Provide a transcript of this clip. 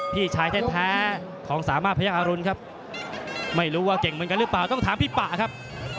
พี่ชายแท่ของสามารถพระยักษ์อรุณครับ